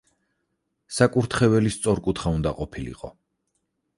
საკურთხეველი სწორკუთხა უნდა ყოფილიყო.